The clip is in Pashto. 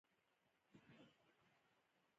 د اوبدنه هم ماشیني شوه.